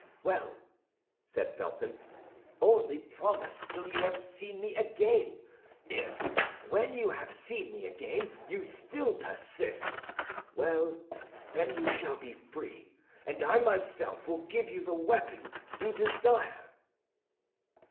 "Well," said Felton, "only promise till you have seen me again. If, when you have seen me again, you still persist—well, then you shall be free, and I myself will give you the weapon you desire."